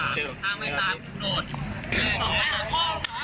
ไปตามมา